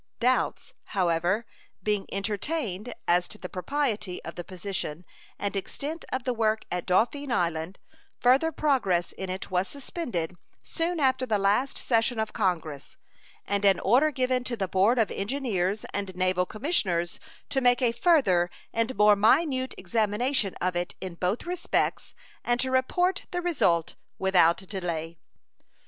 Doubts, however, being entertained as to the propriety of the position and extent of the work at Dauphine Island, further progress in it was suspended soon after the last session of Congress, and an order given to the Board of Engineers and Naval Commissioners to make a further and more minute examination of it in both respects, and to report the result without delay.